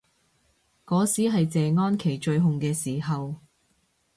嗰時係謝安琪最紅嘅時候